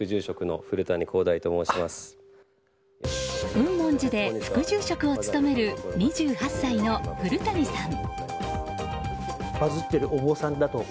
雲門寺で副住職を務める２８歳の古渓さん。